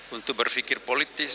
untuk berpikir positif